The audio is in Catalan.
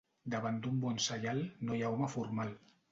Davant d'un bon saial no hi ha home formal.